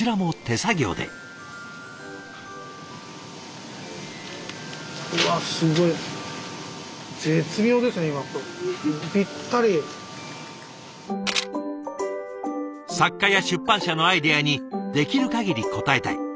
作家や出版社のアイデアにできる限り応えたい。